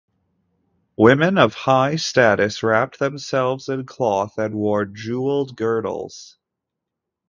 Women of high status wrapped themselves in cloth and wore jeweled girdles.